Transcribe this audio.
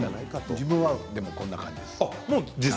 自分はこんな感じです。